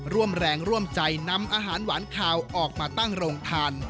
ร่วมแรงร่วมใจนำอาหารหวานคาวออกมาตั้งโรงทาน